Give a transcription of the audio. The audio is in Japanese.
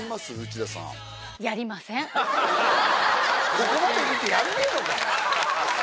ここまで見てやんねえのかよ。